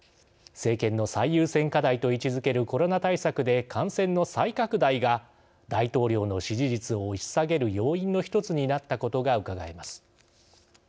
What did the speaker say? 政権の最優先課題と位置づけるコロナ対策で、感染の再拡大が大統領の支持率を押し下げる要因の１つになったことがうかがえます。